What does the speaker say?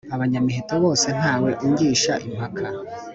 abanyamiheto bose ntawe ungisha impaka.